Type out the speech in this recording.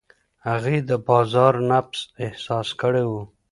هغې د بازار نبض احساس کړی و.